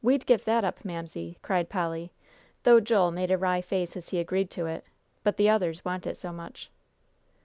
"We'd give that up, Mamsie," cried Polly, though Joel made a wry face as he agreed to it, "but the others want it so much."